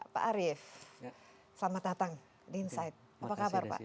pak arief selamat datang di insight apa kabar pak